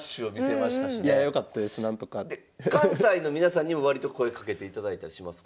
関西の皆さんにも割と声かけていただいたりしますか？